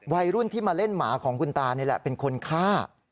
วัยรุ่นที่มาเล่นหมาของคุณตานี่แหละเป็นคนฆ่า